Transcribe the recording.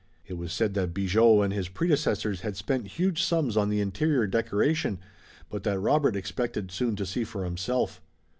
It was said that Bigot and his predecessors had spent huge sums on the interior decoration, but that Robert expected soon to see for himself.